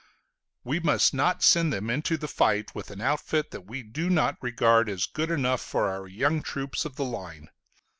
We must not send them into the fight with an outfit that we do not regard as good enough for our young troops of the line.